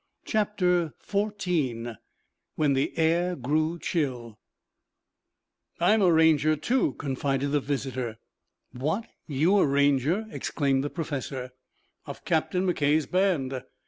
CHAPTER XIV WHEN THE AIR GREW CHILL "I'm a Ranger, too," confided the visitor. "What, you a Ranger?" exclaimed the professor. "Of Captain McKay's band?"